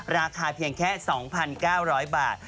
ราคาเพียงแค่๒๙๐๐บาท